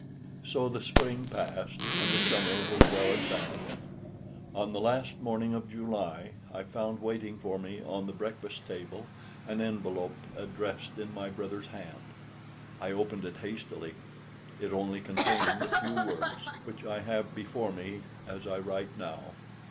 So the spring passed and the summer was well advanced. On the last morning of July I found waiting for me on the breakfast table an envelope addressed in my brother's hand. I opened it hastily. It only contained a few words, which I have before me as I write now.